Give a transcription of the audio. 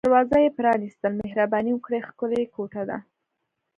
دروازه یې پرانیستل، مهرباني وکړئ، ښکلې کوټه ده.